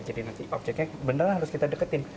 jadi nanti objeknya benar harus kita deketin